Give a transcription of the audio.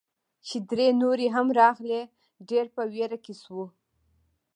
چې درې نورې هم راغلې، ډېر په ویره کې شوو.